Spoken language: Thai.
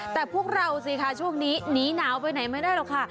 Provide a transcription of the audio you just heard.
แต่พวกเราสิคะช่วงนี้หนีหนาวไปไหนไม่ได้หรอกค่ะ